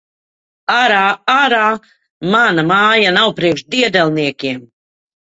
Ārā! Ārā! Mana māja nav priekš diedelniekiem!